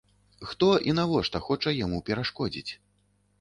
Хто і навошта хоча яму перашкодзіць?